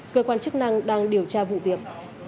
cơ quan chức năng đang điều tra vụ việc